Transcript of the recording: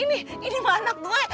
ini ini mah anak gue